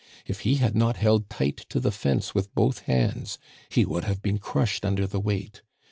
If he had not held tight to the fence with both hands, he would have been crushed under the weight.